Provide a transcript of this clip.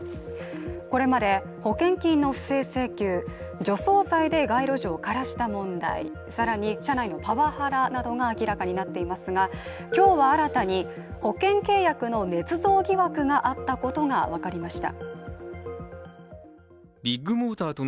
これまで保険金の不正請求、除草剤で街路樹を枯らした問題、更に社内のパワハラなどが明らかになっていますが、今日は新たに、保険契約のねつ造疑惑があったことが分かりました。